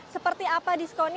seperti apa diskonnya